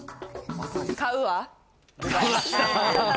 買うわ。